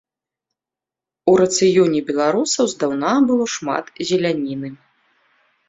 У рацыёне беларусаў здаўна было шмат зеляніны.